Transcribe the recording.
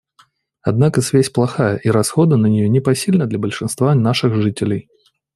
Однако связь плохая, и расходы на нее непосильны для большинства наших жителей.